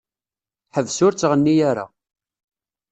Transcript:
Ḥbes ur ttɣenni ara.